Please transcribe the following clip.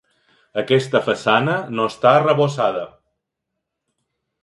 Aquesta façana no està arrebossada.